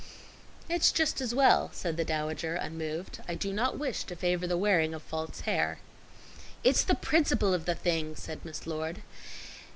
"It's just as well," said the Dowager, unmoved. "I do not wish to favor the wearing of false hair." "It's the principle of the thing," said Miss Lord.